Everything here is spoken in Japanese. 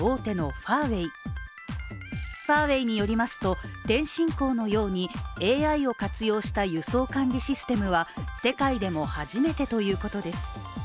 ファーウェイによりますと、天津港のようにＡＩを活用した輸送管理システムは世界でも初めてということです。